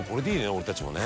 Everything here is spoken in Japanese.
俺たちもね。